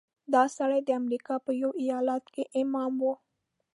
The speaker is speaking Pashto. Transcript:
دا سړی د امریکا په یوه ایالت کې امام و.